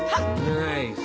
ナイス。